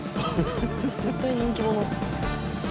絶対人気者。